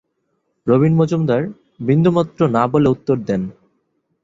রবীন মজুমদার ‘‘বিন্দুমাত্র না’’ বলে উত্তর দেন।